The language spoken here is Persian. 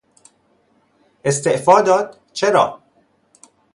استعفا داد! چرا؟